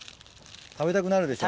食べたくなるでしょ。